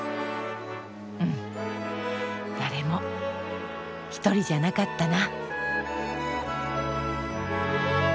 うん誰も一人じゃなかったな。